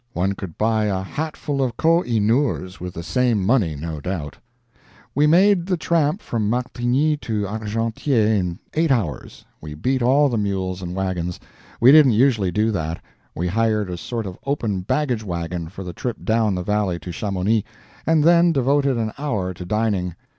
One could buy a hatful of Koh i Noors with the same money, no doubt. We made the tramp from Martigny to Argentière in eight hours. We beat all the mules and wagons; we didn't usually do that. We hired a sort of open baggage wagon for the trip down the valley to Chamonix, and then devoted an hour to dining.